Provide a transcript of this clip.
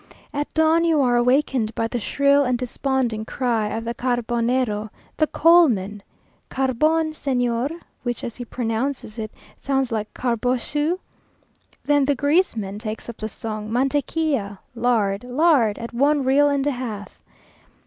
At dawn you are awakened by the shrill and desponding cry of the Carbonero, the coalmen, "Carbón, Señor?" which, as he pronounces it, sounds like "Carbosiu?" Then the grease man takes up the song, "Mantequilla! lard! lard! at one real and a half."